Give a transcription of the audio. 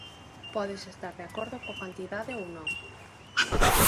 Podes estar de acordo coa cantidade ou non.